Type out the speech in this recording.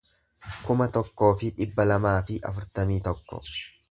kuma tokkoo fi dhibba lamaa fi afurtamii tokko